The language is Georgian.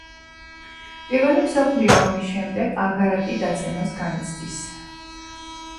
პირველი მსოფლიო ომის შემდეგ აგარაკი დაცემას განიცდის.